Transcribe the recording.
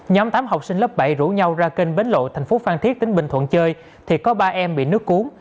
nhóm tám học sinh lớp bảy rủ nhau ra kênh bến lộ thành phố phan thiết tỉnh bình thuận chơi thì có ba em bị nước cuốn